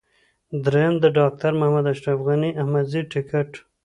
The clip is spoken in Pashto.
درېم: د ډاکټر محمد اشرف غني احمدزي ټکټ.